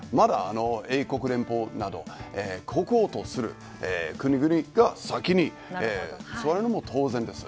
英国連邦など国王とする国々が先に座るのも当然です。